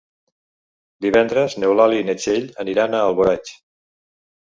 Divendres n'Eulàlia i na Txell aniran a Alboraig.